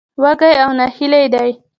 وږي او نهيلي دي.